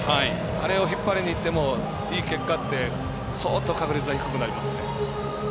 あれを引っ張りにいってもいい結果って相当、確率は低くなりますね。